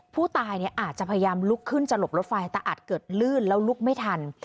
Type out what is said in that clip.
ผู้ตายเนี่ยอาจจะพยายามลุกขึ้นจะหลบรถไฟแต่อาจเกิดลื่นแล้วลุกไม่ทัน